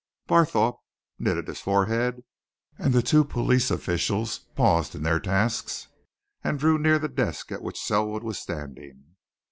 Barthorpe knitted his forehead, and the two police officials paused in their tasks and drew near the desk at which Selwood was standing.